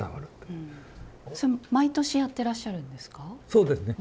そうですね。